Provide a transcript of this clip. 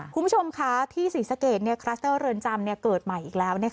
คุณผู้ชมคะที่ศรีสะเกดคลัสเตอร์เรือนจำเกิดใหม่อีกแล้ว